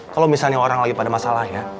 kalau misalnya orang lagi pada masalahnya